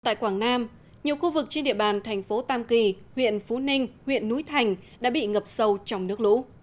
tại quảng nam nhiều khu vực trên địa bàn thành phố tam kỳ huyện phú ninh huyện núi thành đã bị ngập sâu trong nước lũ